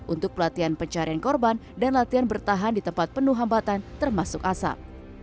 untuk pelatihan pencarian korban dan latihan bertahan di tempat penuh hambatan termasuk asap